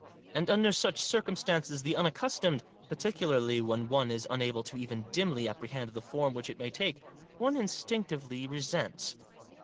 And under such circumstances the unaccustomed, parti cularly when one is unable to even dimly appre hend the form which it may take, one instinctively resents.